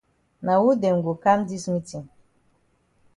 Na wu dem go kam dis meetin?